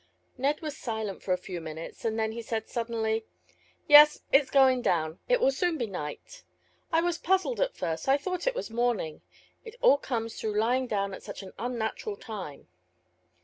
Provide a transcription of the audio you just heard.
Ned was silent for a few minutes, and then he said suddenly "Yes, it's going down, and it will soon be night. I was puzzled at first. I thought it was morning. It all comes through lying down at such an unnatural time."